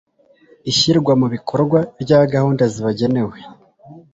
ishyirwa mu bikorwa rya gahunda zibagenewe